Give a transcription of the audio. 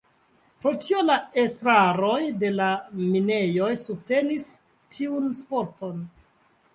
Pro tio, la estraroj de la minejoj subtenis tiun sporton.